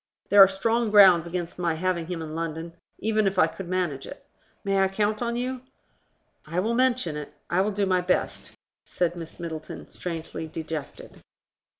There are strong grounds against my having him in London, even if I could manage it. May I count on you?" "I will mention it: I will do my best," said Miss Middleton, strangely dejected.